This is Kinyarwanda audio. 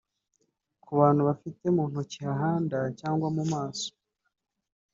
Ku bantu bafite mu ntoki hahanda cyangwa mu maso